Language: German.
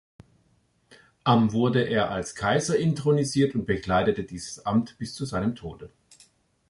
Am wurde er als Kaiser inthronisiert und bekleidete dieses Amt bis zu seinem Tode.